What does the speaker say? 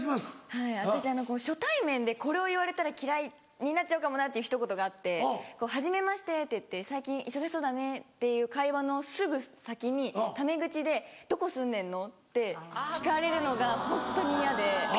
はい私初対面でこれを言われたら嫌いになっちゃうかもなっていうひと言があって「はじめまして」って言って「最近忙しそうだね」っていう会話のすぐ先にタメ口で「どこ住んでんの？」って聞かれるのがホントに嫌で。